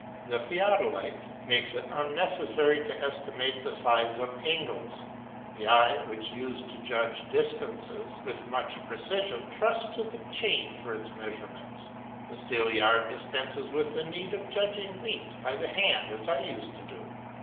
The theodolite makes it unnecessary to estimate the size of angles; the eye which used to judge distances with much precision, trusts to the chain for its measurements; the steel yard dispenses with the need of judging weight by the hand as I used to do.